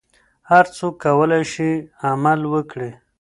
هر څوک کولای شي عمل وکړي.